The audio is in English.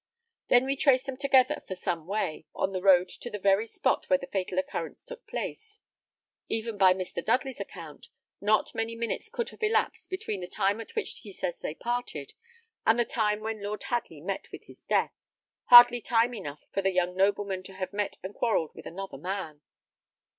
Then we trace them together for some way, on the road to the very spot where the fatal occurrence took place. Even by Mr. Dudley's account, not many minutes could have elapsed between the time at which he says they parted, and the time when Lord Hadley met with his death hardly time enough for the young nobleman to have met and quarrelled with another man.